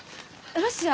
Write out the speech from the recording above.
ロシア？